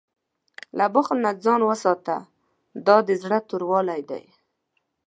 له بخل نه ځان وساته، دا د زړه توروالی دی.